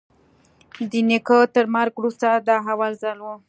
د نيکه تر مرگ وروسته دا اول ځل و.